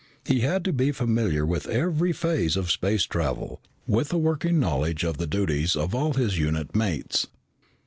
He had to be familiar with every phase of space travel, with a working knowledge of the duties of all his unit mates.